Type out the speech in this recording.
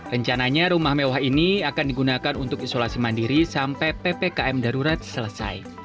rencananya rumah mewah ini akan digunakan untuk isolasi mandiri sampai ppkm darurat selesai